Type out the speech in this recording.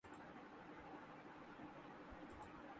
Microsoft Windows اب pre order کے لیے دستیاب ہے